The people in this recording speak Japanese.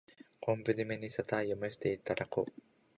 昆布じめにしたタイを蒸していただこう。